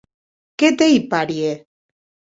Que t’ei parièr.